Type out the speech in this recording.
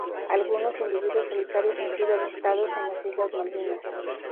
Algunos individuos solitarios han sido avistados en las Islas Malvinas.